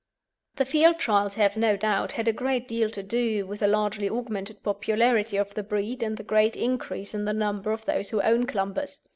The Field Trials have, no doubt, had a great deal to do with the largely augmented popularity of the breed and the great increase in the number of those who own Clumbers.